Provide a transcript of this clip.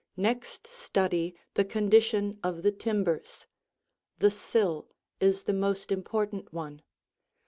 Next study the condition of the timbers. The sill is the most important one.